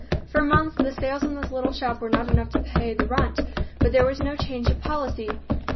For months the sales in this little shop were not enough to pay the rent, but there was no change of policy.